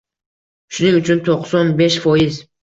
Shuning uchun to'qson besh foiz